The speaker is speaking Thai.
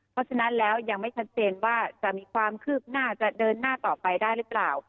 เพราะฉะนั้นแล้วยังไม่ชัดเจนว่าจะมีความคืบหน้าจะเดินหน้าต่อไปได้หรือเปล่า